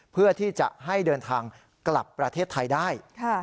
เพื่อที่จะให้เดินทางกลับประเทศไทยได้